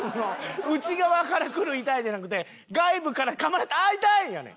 内側からくる「痛い」じゃなくて外部からかまれた「ああ痛い！」やねん。